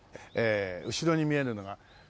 後ろに見えるのがね